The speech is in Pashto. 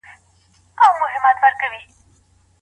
صندلي بې تودوخي نه وي.